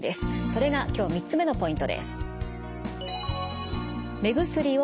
それが今日３つ目のポイントです。